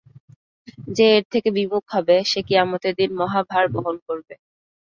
যে এর থেকে বিমুখ হবে সে কিয়ামতের দিন মহাভার বহন করবে।